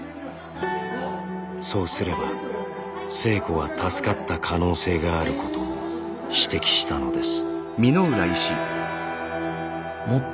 そうすれば星子は助かった可能性があることも指摘したのです。